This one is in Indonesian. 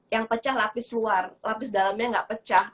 yang pecah lapis luar lapis dalamnya nggak pecah